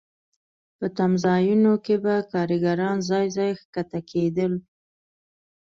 په تمځایونو کې به کارګران ځای ځای ښکته کېدل